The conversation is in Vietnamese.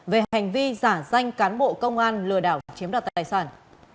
về hành vi giả danh cán bộ công an lừa đảo chiếm đoạt tài sản